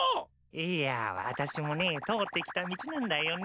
いやぁ私もね通ってきた道なんだよね。